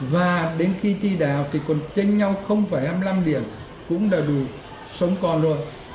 và đến khi thi đào thì còn chênh nhau không phải hai mươi năm điểm cũng đã đủ sống còn rồi